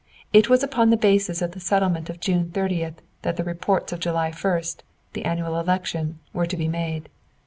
It was upon the basis of the settlement of June 30th that the reports of July 1st, the annual election, were to be made.